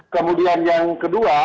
kemudian yang kedua